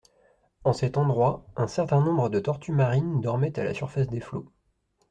En cet endroit, un certain nombre de tortues marines dormaient à la surface des flots.